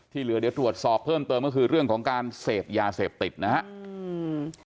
เหลือเดี๋ยวตรวจสอบเพิ่มเติมก็คือเรื่องของการเสพยาเสพติดนะฮะอืม